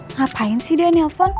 ngapain sih dia nelfon